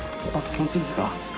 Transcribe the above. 本当ですか？